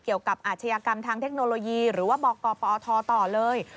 เกี่ยวกับอาชญากรรมทางเทคโนโลยีหรือว่าบกปทต่อเลย